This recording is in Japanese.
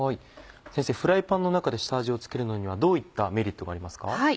先生フライパンの中で下味を付けるのにはどういったメリットがありますか？